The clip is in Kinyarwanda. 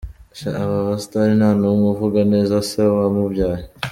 Sha aba ba stars nta numwe uvuga neza se wamubyaye.